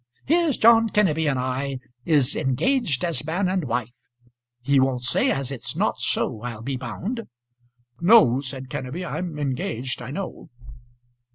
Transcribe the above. Here's John Kenneby and I, is engaged as man and wife. He won't say as it's not so, I'll be bound." "No," said Kenneby, "I'm engaged I know."